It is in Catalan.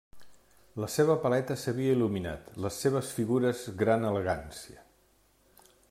La seva paleta s'havia il·luminat, les seves figures gran elegància.